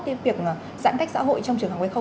cái việc giãn cách xã hội trong trường học hay không